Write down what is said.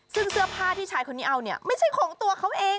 ซึ่งเสื้อผ้าที่ชายคนนี้เอาเนี่ยไม่ใช่ของตัวเขาเอง